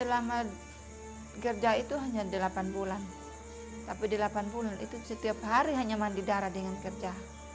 selama kerja itu hanya delapan bulan tapi di delapan bulan itu setiap hari hanya mandi darah dengan kerja